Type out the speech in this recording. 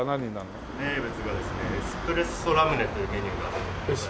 名物がですねエスプレッソラムネというメニューが。